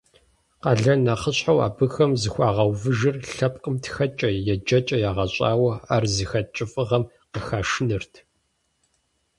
Къалэн нэхъыщхьэу абыхэм зыхуагъэувыжыр лъэпкъым тхэкӏэ, еджэкӏэ егъэщӏауэ ар зыхэт кӏыфӏыгъэм къыхэшынырт.